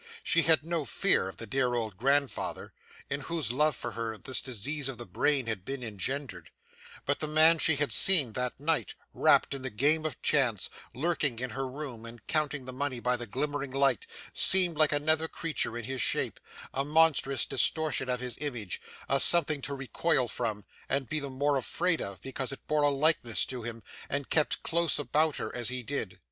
She had no fear of the dear old grandfather, in whose love for her this disease of the brain had been engendered; but the man she had seen that night, wrapt in the game of chance, lurking in her room, and counting the money by the glimmering light, seemed like another creature in his shape, a monstrous distortion of his image, a something to recoil from, and be the more afraid of, because it bore a likeness to him, and kept close about her, as he did.